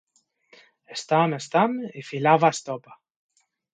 Estam, estam... i filava estopa.